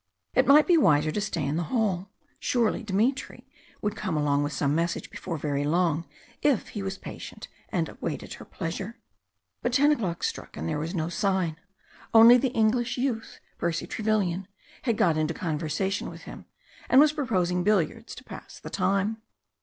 It might be wiser to stay in the hall. Surely Dmitry would come with some message before very long, if he was patient and waited her pleasure. But ten o'clock struck and there was no sign. Only the English youth, Percy Trevellian, had got into conversation with him, and was proposing billiards to pass the time.